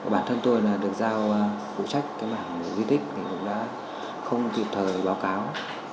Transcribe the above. bản thân tôi là được giao phụ trách cái mảng di tích thì cũng đã không kịp thời báo cáo